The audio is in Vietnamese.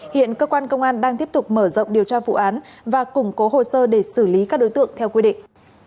hiện cơ quan công an đang tiếp tục mở rộng điều tra vụ án và củng cố hồ sơ để xử lý các đối tượng theo quy định